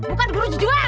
bukan gua ngejual